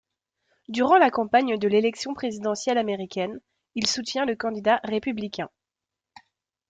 Durant la campagne de l'élection présidentielle américaine, il soutient le candidat républicain.